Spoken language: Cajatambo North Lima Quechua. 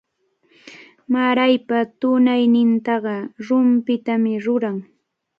Maraypa tunaynintaqa rumpitami ruran.